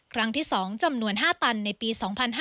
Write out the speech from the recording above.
ครั้งที่๒จำนวน๕ตันในปี๒๕๕๙